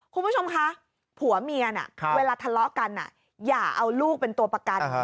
คุณผู้ชมคะผัวเมียน่ะเวลาทะเลาะกันอย่าเอาลูกเป็นตัวประกัน